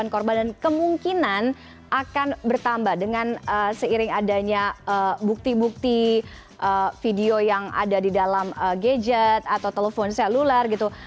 korban dan kemungkinan akan bertambah dengan seiring adanya bukti bukti video yang ada di dalam gadget atau telepon seluler gitu